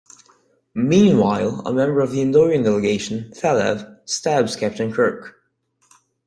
Meanwhile, a member of the Andorian delegation, Thelev, stabs Captain Kirk.